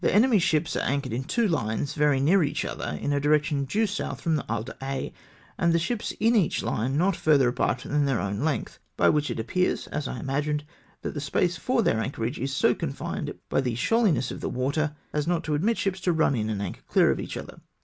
351 " The enemy's ships are anchored in two lines, very near each other, in a direction due south from the Isle d'Aix, and the ships in each line not further apart than their own length ; by which it appears, as I imagined, that the space for their anchorage is so confined by the shoaliness of the water, as not to admit of ships to run in and anchor clear of each other.